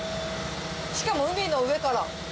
しかも海の上から。